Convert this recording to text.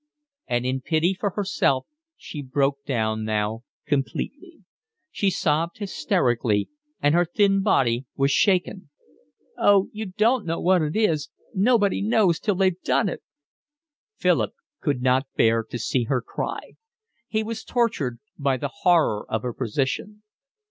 And in pity for herself she broke down now completely. She sobbed hysterically, and her thin body was shaken. "Oh, you don't know what it is. Nobody knows till they've done it." Philip could not bear to see her cry. He was tortured by the horror of her position.